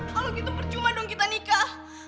kalau gitu percuma dong kita nikah